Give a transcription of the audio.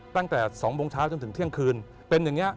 ตั้งแต่๒โมงเช้าจนถึงเที่ยงคืนเป็นอย่างนี้